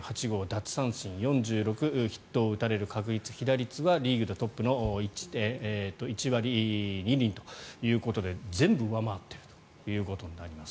奪三振４６ヒットを打たれる確率、被打率はリーグでトップの１割２厘ということで全部上回っているということになります。